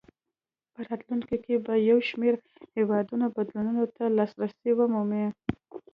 په راتلونکو کې به یو شمېر هېوادونه بدلونونو ته لاسرسی ومومي.